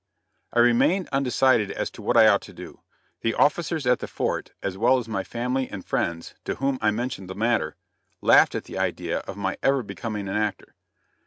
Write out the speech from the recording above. I remained undecided as to what I ought to do. The officers at the fort as well as my family and friends to whom I had mentioned the matter, laughed at the idea of my ever becoming an actor.